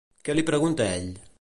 Què li pregunta ell?